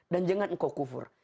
dan jangan engkau kufur